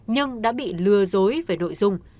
nhưng đã bị lừa dối về nội dung